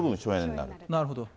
なるほど。